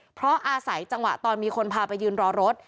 เพราะอาศัยจังหวะตอนมีคนพาไปยืนรอรถ